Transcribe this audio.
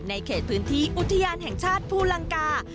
เขตพื้นที่อุทยานแห่งชาติภูลังกา